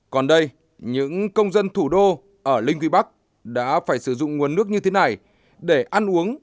còn đây những công dân thủ đô ở linh gybak đã phải sử dụng nguồn nước như thế này để ăn uống